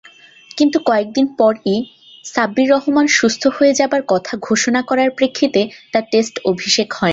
কিন্তু কয়েকদিন পরই সাব্বির রহমান সুস্থ হয়ে যাবার কথা ঘোষণা করার প্রেক্ষিতে তার টেস্ট অভিষেক হয়নি।